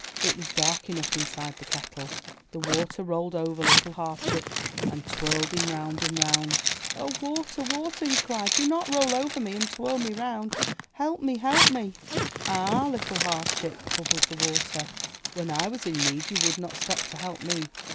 It was dark enough inside the kettle; the water rolled over Little Half Chick and twirled him round and round. *'0, Water! Water!" he cried, ''Do not roll over me and twirl me around! Help me! Help me!" ''Ah, Little Half Chick," bubbled the Water, *'when I was in need, you would not stop to help me.